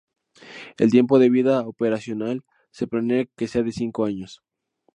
El tiempo de vida operacional se planea que sea de cinco años.